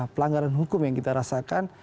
pelanggaran hukum yang kita rasakan